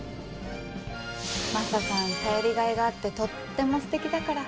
マサさん頼りがいがあってとってもすてきだから。